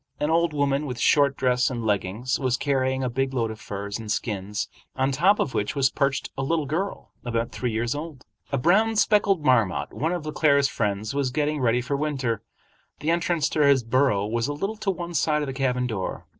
An old woman, with short dress and leggings, was carrying a big load of furs and skins, on top of which was perched a little girl about three years old. A brown, speckled marmot, one of Le Claire's friends, was getting ready for winter. The entrance to his burrow was a little to one side of the cabin door.